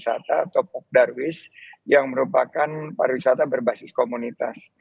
saya selalu mendorong kelompok sadar wisata atau pop darwis yang merupakan para wisata berbasis komunitas